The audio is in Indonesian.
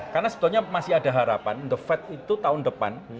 karena sebetulnya masih ada harapan the fed itu tahun depan